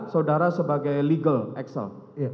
saudara sebagai legal eksel